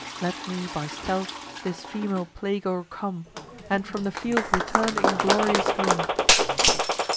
Let me, by stealth, this female plague o'ercome, And from the field return inglorious home."